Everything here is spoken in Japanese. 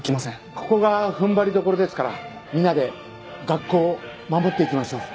ここが踏ん張りどころですからみんなで学校を守っていきましょう。